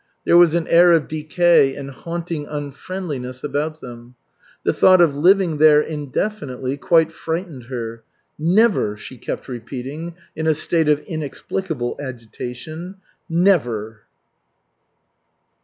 There was an air of decay and haunting unfriendliness about them. The thought of living there indefinitely quite frightened her. "Never!" she kept repeating in a state of inexplicable agitation, "Never!"